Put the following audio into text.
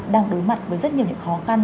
đang đối mặt với rất nhiều những khó khăn